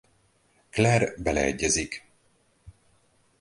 Claire beleegyezik.